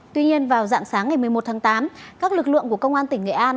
tuy nhiên vào dạng sáng ngày một mươi một tháng tám các lực lượng của công an tỉnh nghệ an